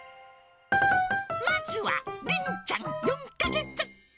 まずはりんちゃん４か月。